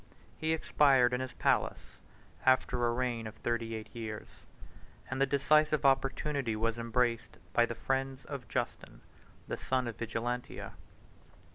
He expired in his palace, after a reign of thirty eight years; and the decisive opportunity was embraced by the friends of Justin, the son of Vigilantia.